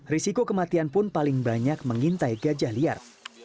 risiko kematian pun paling banyak mengintai gajah liar